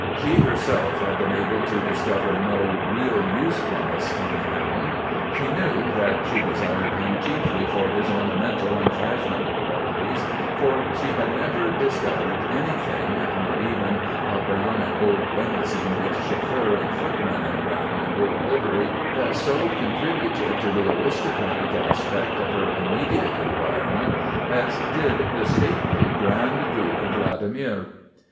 She herself had been able to discover no real usefulness in the hound. She knew that she de sired him chiefly for his ornamental and fashionable qualities, for she had never discovered anything not even a brown and gold limousine with chauffeur and footman in brown and gold livery that so contributed to the aristocratic aspect of her imme diate environment as did the stately Grand Duke Vladimir.